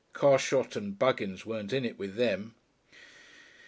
(Carshot and Buggins weren't in it with them.)